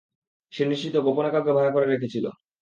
সে নিশ্চিত গোপনে কাউকে ভাড়া করে রেখেছিল।